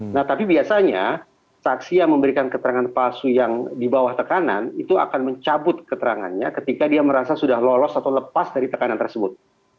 nah tapi biasanya saksi yang memberikan keterangan palsu yang di bawah tekanan itu akan mencabut keterangannya ketika dia merasa sudah lolos atau lepas dari tekanan tersebut